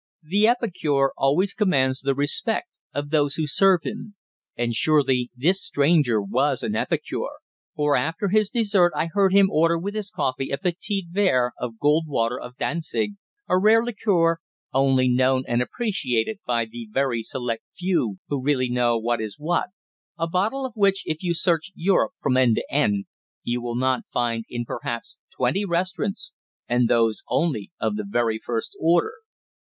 The epicure always commands the respect of those who serve him. And surely this stranger was an epicure, for after his dessert I heard him order with his coffee a petit verre of gold water of Dantzig, a rare liqueur only known and appreciated by the very select few who really know what is what a bottle of which, if you search Europe from end to end, you will not find in perhaps twenty restaurants, and those only of the very first order.